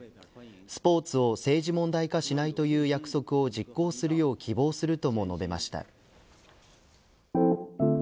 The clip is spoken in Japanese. スポーツを政治問題化しないという約束を実行するよう希望するとも述べました。